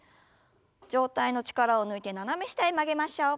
上体の力を抜いて斜め下へ曲げましょう。